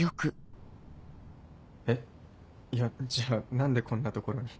えっいやじゃあ何でこんな所に。